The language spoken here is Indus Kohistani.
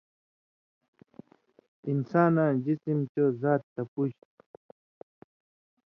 انساناں جِسِم چو زات تپُژ تُھو